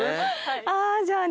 あじゃあ。